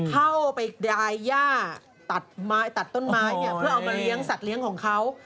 เข้าไปยายย่าตัดไม้ตัดต้นไม้เนี่ยเพื่อเอามาเลี้ยงสัตว์เลี้ยงของเขา